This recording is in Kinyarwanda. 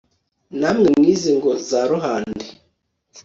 namwe mwize ngo za ruhande